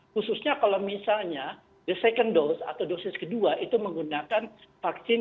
khususnya kalau misalnya the second dose atau dosis kedua itu menggunakan vaksin